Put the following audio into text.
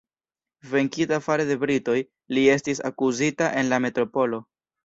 Venkita fare de britoj, li estis akuzita en la metropolo.